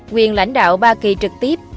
quyền lãnh đạo ba kỳ trực tiếp